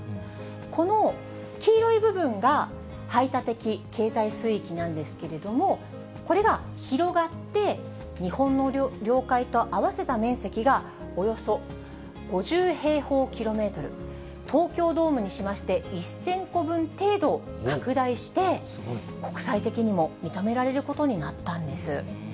この黄色い部分が、排他的経済水域なんですけれども、これが広がって、日本の領海と合わせた面積が、およそ５０平方キロメートル、東京ドームにしまして１０００個分程度拡大して、国際的にも認められることになったんです。